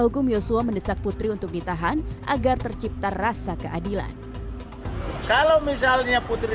hukum yosua mendesak putri untuk ditahan agar tercipta rasa keadilan kalau misalnya putri